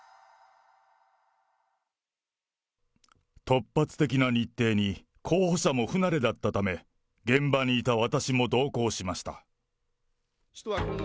突発的な日程に、候補者も不慣れだったため、現場にいた私も同行しました。